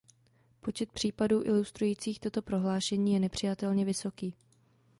Počet případů ilustrujících toto prohlášení je nepřijatelně vysoký.